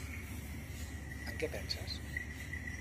En què penses?